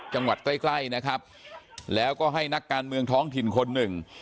ใกล้ใกล้นะครับแล้วก็ให้นักการเมืองท้องถิ่นคนหนึ่ง